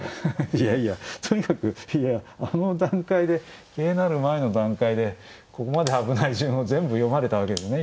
いやいやとにかくあの段階で桂成る前の段階でここまで危ない順を全部読まれたわけですね